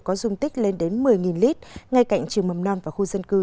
có dung tích lên đến một mươi lít ngay cạnh trường mầm non và khu dân cư